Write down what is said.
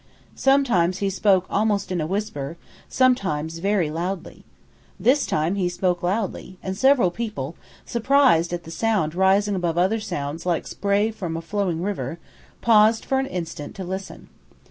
Sometimes he spoke almost in a whisper, sometimes very loudly. This time he spoke loudly, and several people, surprised at the sound rising above other sounds like spray from a flowing river, paused for an instant to listen.